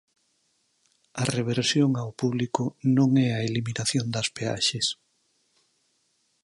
A reversión ao público non é a eliminación das peaxes.